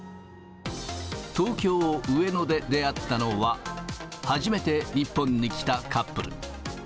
東京・上野で出会ったのは、初めて日本に来たカップル。